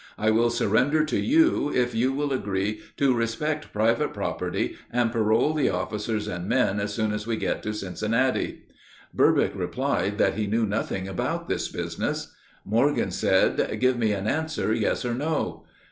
I will surrender to you if you will agree to respect private property and parole the officers and men as soon as we get to Cincinnati." Burbick replied that he knew nothing about this business. Morgan said, "Give me an answer, yes or no."